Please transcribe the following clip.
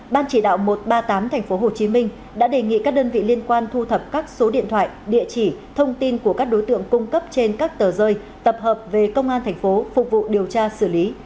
ban chỉ đạo một trăm ba mươi tám tp hcm đã đề nghị các đơn vị liên quan thu thập các số điện thoại địa chỉ thông tin của các đối tượng cung cấp trên các tờ rơi tập hợp về công an tp phục vụ điều tra xử lý